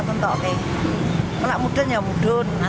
kalau yang muda ya muda